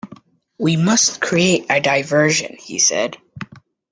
"We must create a diversion," he said.